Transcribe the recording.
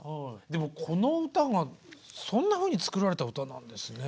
でもこの歌がそんなふうに作られた歌なんですね。